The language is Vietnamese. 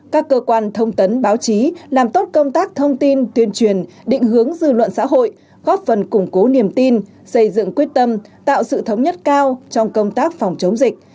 các cơ quan thông tấn báo chí làm tốt công tác thông tin tuyên truyền định hướng dư luận xã hội góp phần củng cố niềm tin xây dựng quyết tâm tạo sự thống nhất cao trong công tác phòng chống dịch